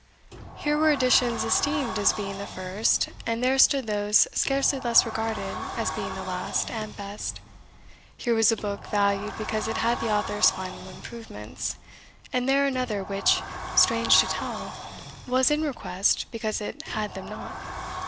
Here were editions esteemed as being the first, and there stood those scarcely less regarded as being the last and best; here was a book valued because it had the author's final improvements, and there another which (strange to tell!) was in request because it had them not.